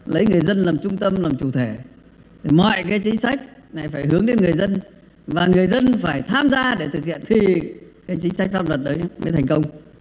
lấy người dân làm trung tâm làm chủ thể mọi cái chính sách lại phải hướng đến người dân và người dân phải tham gia để thực hiện chính sách pháp luật đấy mới thành công